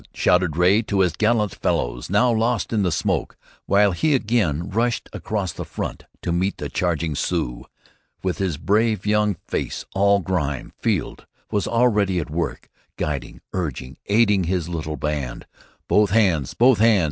shouted Ray, to his gallant fellows, now lost in the smoke, while he again rushed across the front to meet the charging Sioux. With his brave young face all grime, Field was already at work, guiding, urging, aiding his little band. "Both hands! Both hands!"